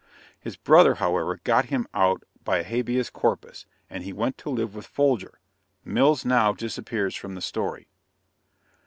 His brother, however, got him out by a habeas corpus, and he went to live with Folger. Mills now disappears from the story.